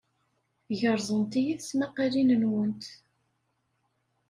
Gerẓent-iyi tesmaqqalin-nwent.